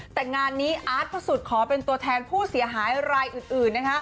แต่งานนี้อาร์ตพระสุทธิ์ขอเป็นตัวแทนผู้เสียหายรายอื่น